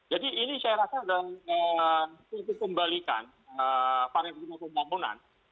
jadi ini saya rasa adalah titik kembalikan para penduduk pembangunan